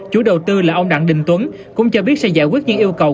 chủ đầu tư là ông đặng đình tuấn cũng cho biết sẽ giải quyết những yêu cầu